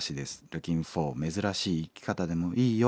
『ルキンフォーめずらしい生き方でもいいよ